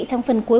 trong phần cuối